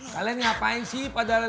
kalian ngapain sih pada